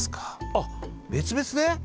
あっ別々で？